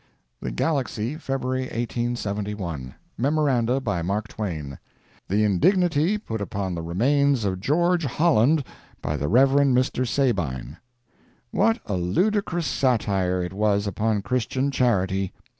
THE GALAXY, February 1871 MEMORANDA. BY MARK TWAIN. THE INDIGNITY PUT UPON THE REMAINS OF GEORGE HOLLAND BY THE REV. MR. SABINE. What a ludicrous satire it was upon Christian charity!